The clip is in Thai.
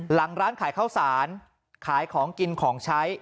หลังร้านขายข้าวสารขายของกินของใช้